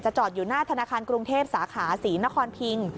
จอดอยู่หน้าธนาคารกรุงเทพสาขาศรีนครพิง